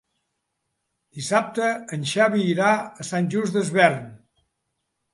Dissabte en Xavi irà a Sant Just Desvern.